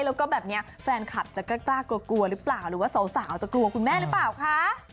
แล้วก็แบบนี้แฟนคลับจะกล้ากลัวกลัวหรือเปล่าหรือว่าสาวจะกลัวคุณแม่หรือเปล่าคะ